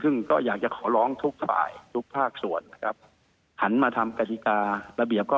ซึ่งก็อยากจะขอร้องทุกฝ่ายทุกภาคส่วนนะครับหันมาทำกฎิการะเบียบก็